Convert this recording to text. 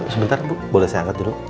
sebentar bu boleh saya angkat dulu